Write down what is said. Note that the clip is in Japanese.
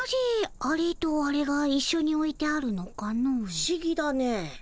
ふしぎだねえ。